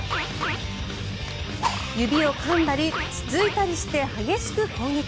指をかんだり、つついたりして激しく攻撃。